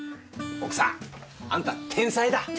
奥さんあんた天才だ！